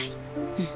うん。